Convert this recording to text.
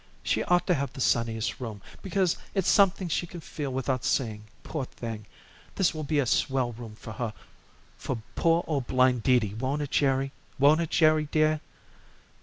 She ought to have the sunniest room, because it's something she can feel without seeing poor thing. This will be a swell room for poor old blind Dee Dee, won't it, Jerry? Won't it, Jerry dear?"